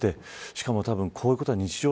しかもこういうことが日常